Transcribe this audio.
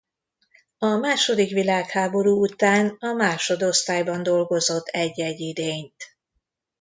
A második világháború után a másodosztályban dolgozott egy-egy idényt.